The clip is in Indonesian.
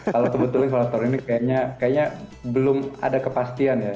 kalau kebetulan kalau tahun ini kayaknya belum ada kepastian ya